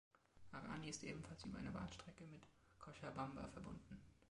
Arani ist ebenfalls über eine Bahnstrecke mit Cochabamba verbunden.